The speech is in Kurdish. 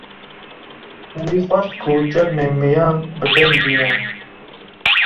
wî xwest ku çermê miyan bi deyn bîne